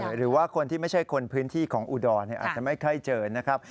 หรือว่าคนที่ไม่ใช่คนพื้นที่ของอุดรอาจจะไม่ค่อยเจอนะครับ